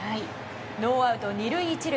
ノーアウト２塁１塁。